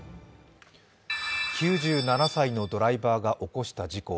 ９７歳のドライバーが起こした事故。